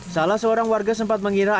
yang air putih